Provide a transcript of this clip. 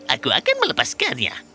aku akan melepaskannya